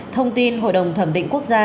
thông tin hội đồng thẩm định quốc gia